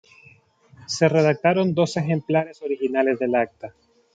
Se redactaron dos ejemplares originales del acta.